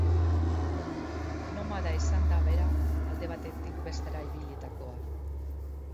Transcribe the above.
Nomada izan da bera, alde batetik bestera ibilitakoa.